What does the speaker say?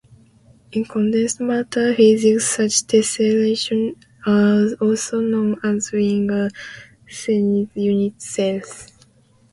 In condensed matter physics, such tessellations are also known as Wigner-Seitz unit cells.